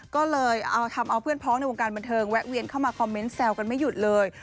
ก็เลยเอาทำเอาเพื่อนพ้องในวงการบันเทิงแวะเวียนเข้ามาคอมเมนต์แซวกันไม่หยุดเลย